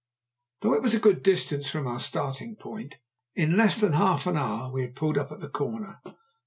Though it was a good distance from our starting point, in less than half an hour we had pulled up at the corner.